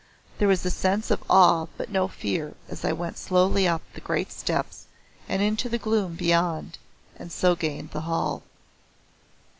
There was a sense of awe but no fear as I went slowly up the great steps and into the gloom beyond and so gained the hall.